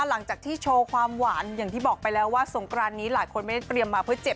หลังจากที่โชว์ความหวานอย่างที่บอกไปแล้วว่าสงกรานนี้หลายคนไม่ได้เตรียมมาเพื่อเจ็บ